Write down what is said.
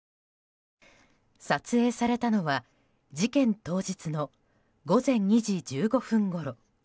撮影されたのは事件当日の午前２時１５分ごろ。